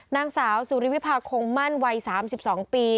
นางสาวสุริวิพาคงมั่นวัย๓๒ปี